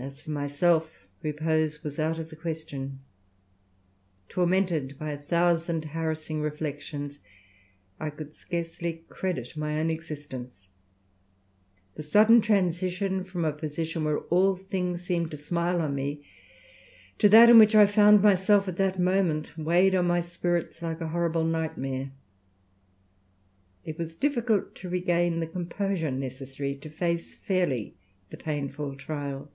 As for myself, repose was out of the question. Tormented by a thousand harassing reflections, I could scarcely credit my own existence. The sudden transition from a position where all things seemed to smile on me, to that in which I found myself at that moment, weighed on my spirits like a horrible nightmare. It was difficult to regain the composure necessary to face fairly the painful trial.